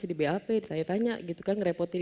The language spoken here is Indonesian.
di bap saya tanya gitu kan ngerepotin